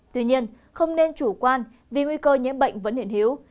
tuy nhiên không nên chủ quan vì nguy cơ nhiễm bệnh vẫn hiện hiếu